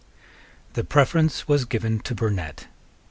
The preference was given to Burnet.